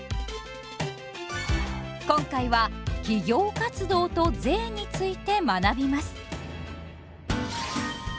今回は「企業活動と税」について学びます。